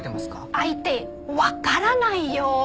相手わからないよ！